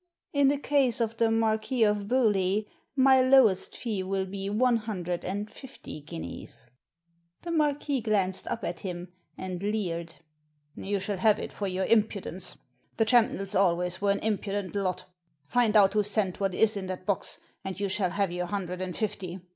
" In the case of the Marquis of Bewlay my lowest fee will be one hundred and fifty guineas." The Marquis glanced up at him — and leered. "You shall have it for your impudence — the Champnells always were an impudent lot Find out who sent what is in that box, and you shall have your hundred and fifty.